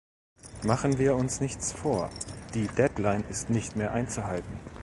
Machen wir uns nichts vor: Die Deadline ist nicht mehr einzuhalten.